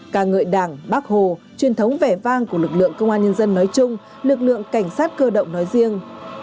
ca ngợi đảng bác hồ truyền thống vẻ vang của lực lượng công an nhân dân nói chung lực lượng cảnh sát cơ động nói riêng